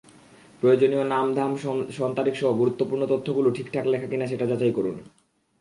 প্রয়োজনীয় নাম-ধাম, সন-তারিখসহ গুরুত্বপূর্ণ তথ্যগুলো ঠিকঠাক লেখা কিনা সেটা যাচাই করুন।